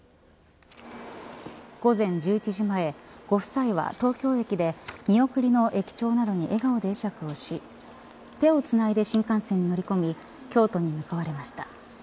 午前１１時前ご夫妻は東京駅で見送りの駅長などに笑顔で会釈をし手をつないで新幹線に乗り込み京都に向かわれました。